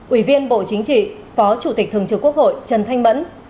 ủy viên bộ chính trị phó chủ tịch thường trực quốc hội trần thanh mẫn